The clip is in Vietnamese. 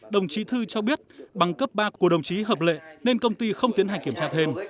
đồng chí thư cho biết bằng cấp ba của đồng chí hợp lệ nên công ty không tiến hành kiểm tra thêm